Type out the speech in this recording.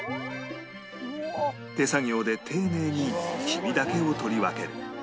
手作業で丁寧に黄身だけを取り分ける